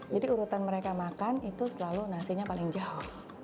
urutan mereka makan itu selalu nasinya paling jauh